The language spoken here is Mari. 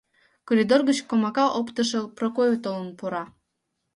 Коридор гыч комака оптышо Прокой толын пура.